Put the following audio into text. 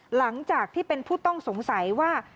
หลังจากที่เป็นผู้ต้องสงสัยว่า